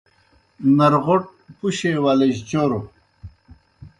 نرغوْٹ پُشے ولِجیْ چوروْ